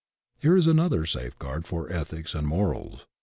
Here is another safeguard for ethics and morals.